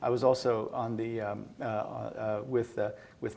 saya juga berbicara